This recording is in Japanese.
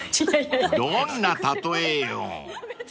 ［どんな例えよ］